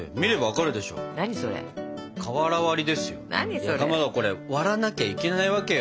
かまどこれ割らなきゃいけないわけよ。